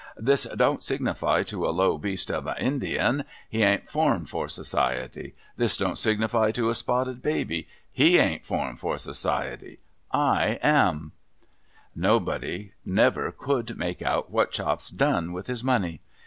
This don't signify to a low beast of a Indian ; he an't formed for Society, 'i'his don't signify to a Spotted Baby ; he an't formed for Society. — 1 am.' Nobody never could make out what Chops done with his money.